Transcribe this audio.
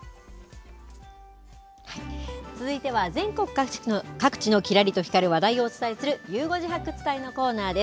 続いては、全国各地のきらりと光る話題をお伝えする、ゆう５時発掘隊のコーナーです。